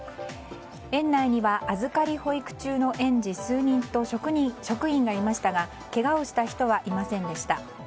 園内には預かり保育中の園児数人と職員がいましたがけがをした人はいませんでした。